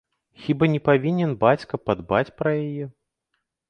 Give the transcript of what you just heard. Хіба не павінен бацька падбаць пра яе?